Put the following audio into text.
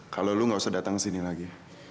kalau lo gak usah datang kesini lagi